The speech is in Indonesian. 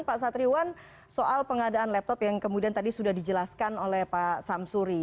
pak satriwan soal pengadaan laptop yang kemudian tadi sudah dijelaskan oleh pak samsuri